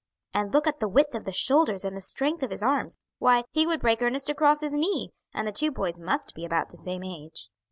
And look at the width of the shoulders and the strength of his arms; why, he would break Ernest across his knee, and the two boys must be about the same age."